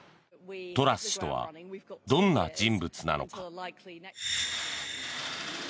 トラス氏とはどんな人物なのか。